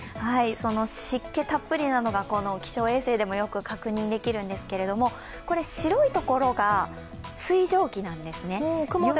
その湿気たっぷりなのが気象衛星でもよく確認できるんですけど、白い所が水蒸気なんですね。